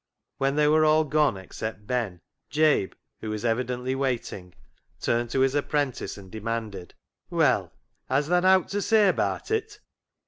When they were all gone except Ben, Jabe, who was evidently waiting, turned to his apprentice and de manded —" Well ; has tha nowt to say abaat it